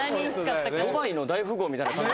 ドバイの大富豪みたいな。